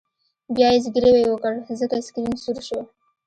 بیا یې زګیروی وکړ ځکه سکرین سور شو